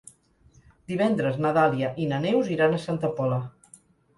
Divendres na Dàlia i na Neus iran a Santa Pola.